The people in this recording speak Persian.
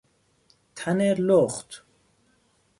تن لخت